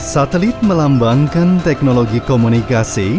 satelit melambangkan teknologi komunikasi